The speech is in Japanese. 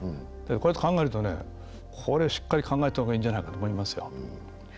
こうやって考えるとこれはしっかり考えたほうがいいんじゃないかと思いますよ。